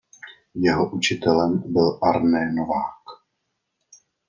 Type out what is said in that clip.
Jeho učitelem byl Arne Novák.